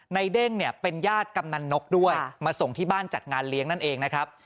เด้งเนี่ยเป็นญาติกำนันนกด้วยมาส่งที่บ้านจัดงานเลี้ยงนั่นเองนะครับ